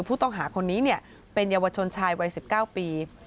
ผู้ต้องหาคนนี้เป็นเยาวชนชายวัย๑๙ปี